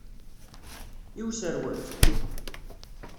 I userwet?